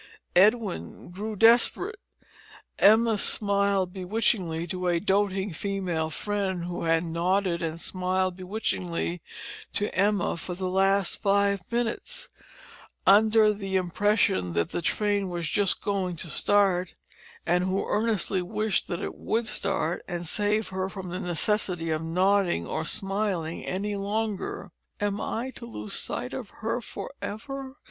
Edwin grew desperate. Emma smiled bewitchingly to a doting female friend who had nodded and smiled bewitchingly to Emma for the last five minutes, under the impression that the train was just going to start, and who earnestly wished that it would start, and save her from the necessity of nodding or smiling any longer. "Am I to lose sight of her for ever?"